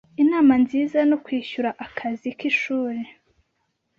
Inama nziza no kwishyura akazi k'ishuri